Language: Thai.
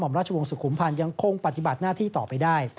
ราชวงศ์สุขุมพันธ์ยังคงปฏิบัติหน้าที่ต่อไปได้